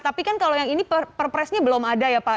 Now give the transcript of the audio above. tapi kan kalau yang ini perpresnya belum ada ya pak